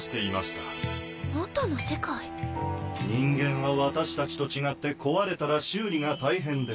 人間は私たちと違って壊れたら修理が大変です。